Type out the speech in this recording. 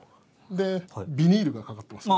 でビニールがかかってますよね。